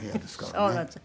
そうなんですよ。